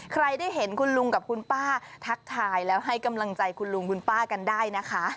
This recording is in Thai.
ใครได้เห็นคุณลุงกับคุณป้าทักทายแล้วให้กำลังใจคุณลุงคุณป้ากันได้นะคะ